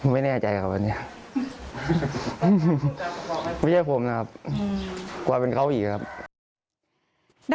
ไม่แน่ใจครับวันนี้ไม่ใช่ผมนะครับกว่าเป็นเขาอีกครับ